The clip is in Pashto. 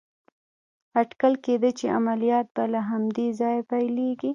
اټکل کېده چې عملیات به له همدې ځایه پيلېږي.